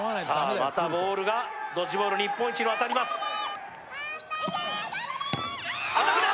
またボールがドッジボール日本一に渡りますあっ